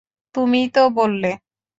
তুমিই তো বললে।